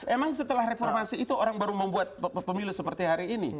emang setelah reformasi itu orang baru membuat pemilu seperti hari ini